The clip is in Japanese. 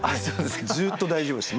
ずっと大丈夫です。